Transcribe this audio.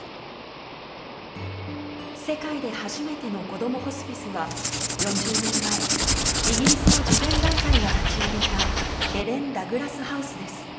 世界で初めてのこどもホスピスは４０年前イギリスの慈善団体が立ち上げたヘレン＆ダグラスハウスです。